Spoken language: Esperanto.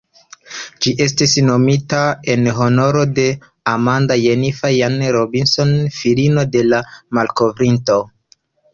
Ĝi estis nomita en honoro de "Amanda Jennifer Jane Robinson", filino de la malkovrinto.